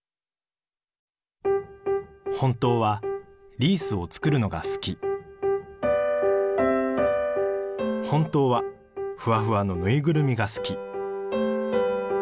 本当はリースを作るのが好き本当はフワフワの縫いぐるみが好き